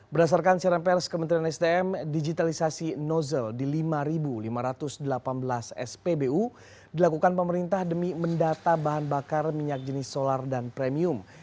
berdasarkan siaran pers kementerian sdm digitalisasi nozzle di lima lima ratus delapan belas spbu dilakukan pemerintah demi mendata bahan bakar minyak jenis solar dan premium